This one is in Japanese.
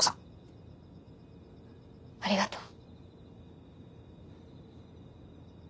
ありがとう。